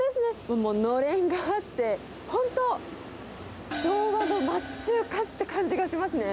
もう、のれんがあって、本当、昭和の町中華っていう感じがしますね。